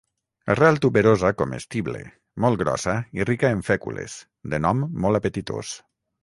Arrel tuberosa comestible, molt grossa i rica en fècules, de nom molt apetitós.